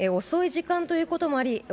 遅い時間ということもあり